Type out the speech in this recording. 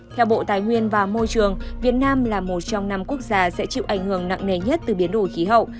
theo bộ tài nguyên và môi trường việt nam là một trong năm quốc gia sẽ chịu ảnh hưởng nặng nề nhất từ biến đổi khí hậu